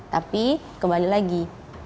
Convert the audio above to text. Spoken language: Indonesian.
tapi kembali lagi